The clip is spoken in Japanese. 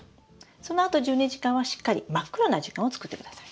そのあと１２時間はしっかり真っ暗な時間を作ってください。